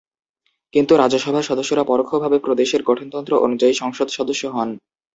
কিন্তু রাজ্যসভার সদস্যরা পরোক্ষভাবে প্রদেশের গঠনতন্ত্র অনুযায়ী সংসদ সদস্য হন।